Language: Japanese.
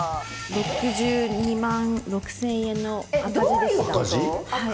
６２万６０００円の赤字でした。